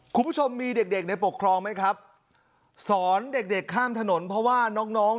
คุณผู้ชมมีเด็กเด็กในปกครองไหมครับสอนเด็กเด็กข้ามถนนเพราะว่าน้องน้อง